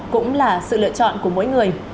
cũng là sự lựa chọn của mỗi người